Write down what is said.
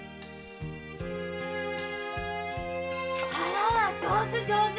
あら上手上手。